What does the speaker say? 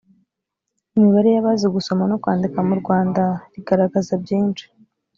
imibare y abazi gusoma no kwandika mu rwanda rigaragaza byinshi